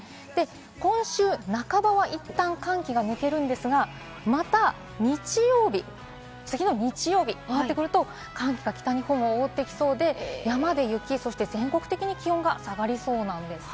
今週半ばはいったん寒気が抜けるんですが、また日曜日、寒気が北日本を覆ってきそうで、山で雪、全国的に気温が下がりそうなんです。